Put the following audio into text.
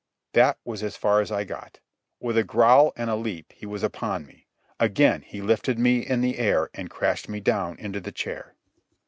That was as far as I got. With a growl and a leap he was upon me. Again he lifted me in the air and crashed me down into the chair.